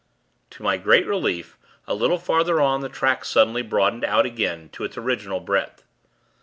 To my great relief, a little further on, the track suddenly broadened out again to its original breadth.